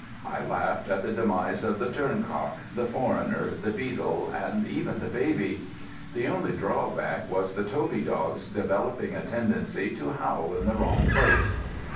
I laughed at the demise of the Turncock, the Foreigner, the Beadle, and even the baby. The only drawback was the Toby dog's developing a tendency to howl in the wrong place.